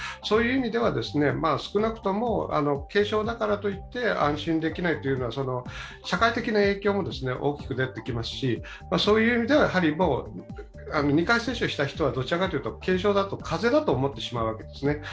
そういう意味では、少なくとも軽症だからといって安心できないというのは社会的な影響も大きく出てきますし、そういう意味では２回接種した人はどちらかというと軽症だと風邪だと思ってしまうわけですね。